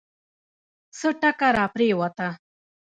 څه ټکه راپرېوته.